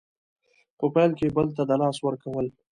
په پیل کې بل ته د لاس ورکول